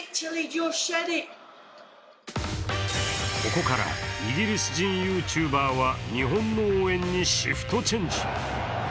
ここからイギリス人ＹｏｕＴｕｂｅｒは日本の応援にシフトチェンジ。